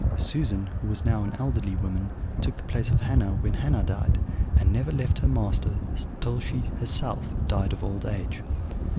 Susan, who was now an elderly woman, took the place of Hannah when Hannah died, and never left her master till she herself died of old age."